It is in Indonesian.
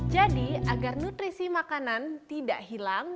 jadi agar nutrisi makanan tidak hilang